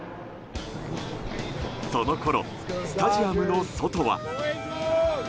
そのころ、スタジアムの外は。